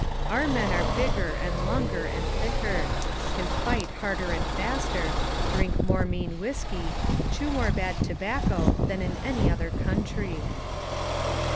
Our men are big ger and longer and thicker ; can fight harder and faster, drink more mean whiskey, chew more bad tobacco than in every other country."